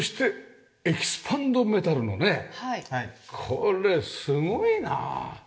これすごいな！